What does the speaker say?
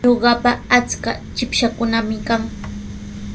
Ñuqapa achka chikpashaakunami kan.